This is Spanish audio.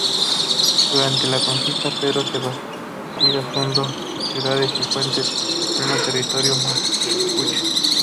Durante la conquista Pedro de Valdivia fundó ciudades y fuertes en pleno territorio mapuche.